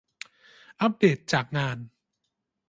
อัปเดตจากงาน